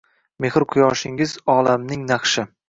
Mehr quyoshingiz olamning naqshi